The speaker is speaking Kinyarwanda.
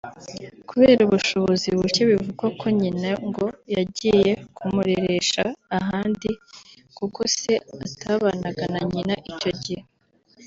Kubera ubushobozi buke bivugwa ko nyina ngo yagiye kumureresha ahandi kuko se atabanaga na nyina icyo gihe